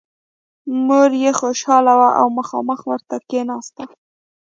مور یې خوشحاله وه او مخامخ ورته کېناسته